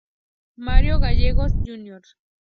Mario Gallegos, Jr.